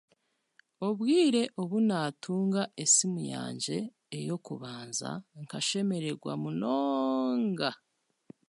Obwire obu naatunga esiimu yangye ey'okubanza nk'ashemererwa munonga.